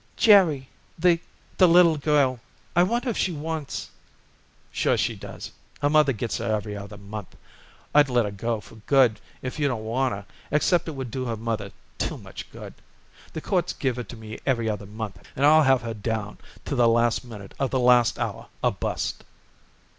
"Jerry, the the little girl. I wonder if she wants " "Sure she does. Her mother gets her every other month. I'd let her go for good if you don't want her, except it would do her mother too much good. The courts give her to me every other month and I'll have her down to the last minute of the last hour or bust."